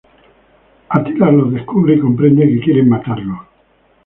Atila los descubre y comprende que quieren matarlo.